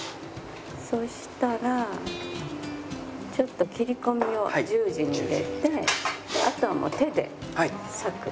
そしたらちょっと切り込みを十字に入れてあとはもう手で割く。